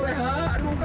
leha dengar leha